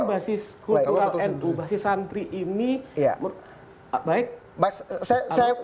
memang basis kultural nu basis santri ini